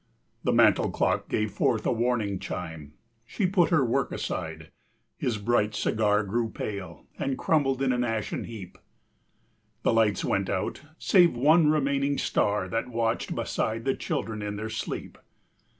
The mantel clock gave forth a warning chime. She put her work aside; his bright cigar Grew pale, and crumbled in an ashen heap. The lights went out, save one remaining star That watched beside the children in their sleep.